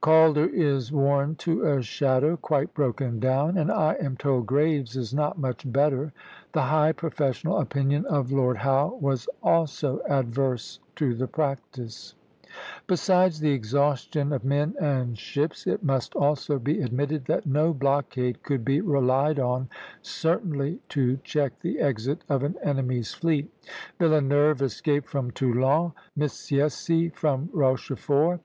Calder is worn to a shadow, quite broken down, and I am told Graves is not much better." The high professional opinion of Lord Howe was also adverse to the practice. Besides the exhaustion of men and ships, it must also be admitted that no blockade could be relied on certainly to check the exit of an enemy's fleet. Villeneuve escaped from Toulon, Missiessy from Rochefort.